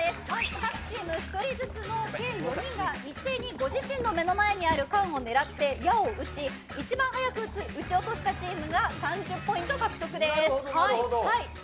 各チーム１人ずつの計４人が一斉にご自身の目の前にある缶を狙って矢を打ち一番早く打ち落としたチームが３０ポイント獲得です。